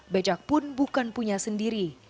bejak pun bukan punya sendiri